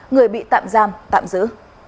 người bị tạm giam tạm giữ